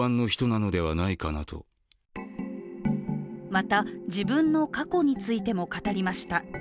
また、自分の過去についても語りました。